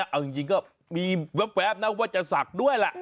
เอาจริงก็มีแว๊บนะว่าจะศักดิ์ด้วยแหละ